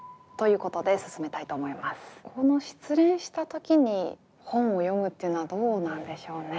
この失恋した時に本を読むっていうのはどうなんでしょうね？